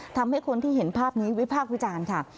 ทำให้คนที่เห็นภาพนี้วิพากษ์วิจารณ์ค่ะ